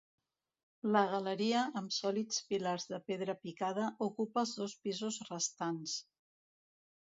La galeria, amb sòlids pilars de pedra picada, ocupa els dos pisos restants.